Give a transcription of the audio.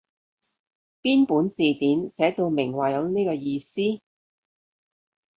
邊本字典寫到明話有呢個意思？